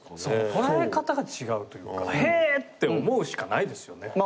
捉え方が違うというかへぇって思うしかないですよね。